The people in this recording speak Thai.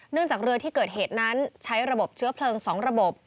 จากเรือที่เกิดเหตุนั้นใช้ระบบเชื้อเพลิง๒ระบบ